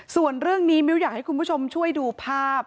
ส่วนเรื่องนี้มิ้วอยากให้คุณผู้ชมช่วยดูภาพ